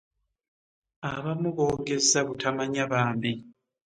Abamu boogeza butamanya bambi.